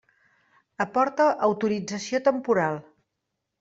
Aporta autorització temporal.